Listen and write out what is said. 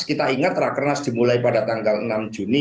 kita ingat rakernas dimulai pada tanggal enam juni